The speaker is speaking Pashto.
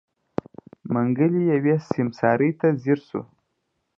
منګلی يوې سيمسارې ته ځير و.